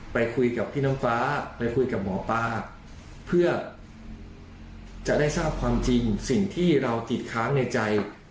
ไปคุยกับพี่น้องฟ้าไปคุยกับหมอปลาเพื่อจะได้ทราบความจริงสิ่งที่เราติดค้างในใจ